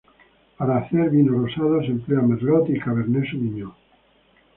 Para hacer vino rosado se emplea "merlot" y "cabernet sauvignon".